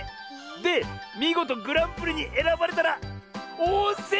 でみごとグランプリにえらばれたらおんせんりょこうだって！